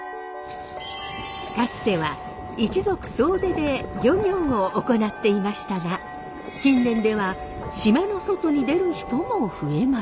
かつては一族総出で漁業を行っていましたが近年では島の外に出る人も増えました。